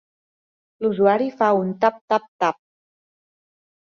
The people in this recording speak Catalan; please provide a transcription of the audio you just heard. L'usuari fa un tap-tap-tap.